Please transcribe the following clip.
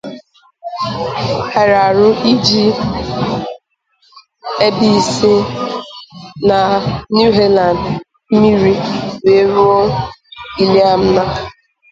It drains through Six Mile Lake and the Newhalen River into Iliamna Lake.